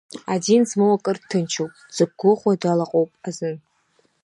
Адин змоу акыр дҭынчуп, дзықәыгәыӷуа далаҟоуп азын.